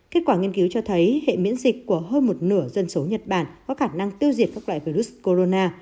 kết quả nghiên cứu cho thấy hệ miễn dịch của hơn một nửa dân số nhật bản có khả năng tiêu diệt các loại virus corona